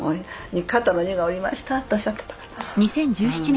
肩の荷が下りましたっておっしゃってたから。